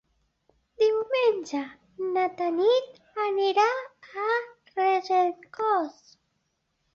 Diumenge na Tanit anirà a Regencós.